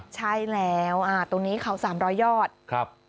ใช่แล้วอ่าตรงนี้เขาสามร้อยยอดครับ